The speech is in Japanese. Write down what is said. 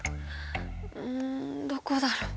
うんどこだろう？